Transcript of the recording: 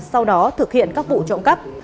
sau đó thực hiện các vụ trộm cắt